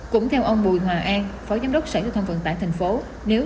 cũng theo ông bùi hòa an phó giám đốc sở giao thông vận tải tp hcm